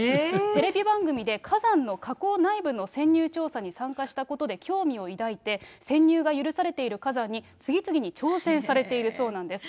テレビ番組で火山の火口内部の潜入調査に参加したことで興味を抱いて、潜入が許されている火山に次々に挑戦されているそうなんです。